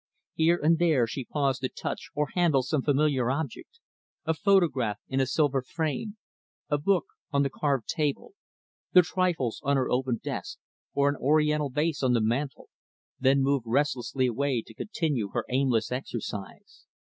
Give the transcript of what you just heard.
Here and there, she paused to touch or handle some familiar object a photograph in a silver frame, a book on the carved table, the trifles on her open desk, or an ornamental vase on the mantle then moved restlessly away to continue her aimless exercise.